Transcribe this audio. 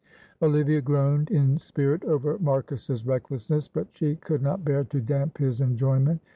Olivia groaned in spirit over Marcus's recklessness, but she could not bear to damp his enjoyment.